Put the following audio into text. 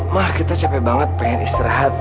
mah kita capek banget pengen istirahat